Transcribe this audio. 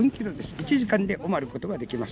１時間でおまることができます。